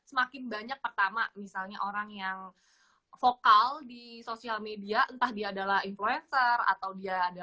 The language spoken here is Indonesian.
semakin banyak pertama misalnya orang yang vokal di sosial media entah dia adalah influencer atau dia ada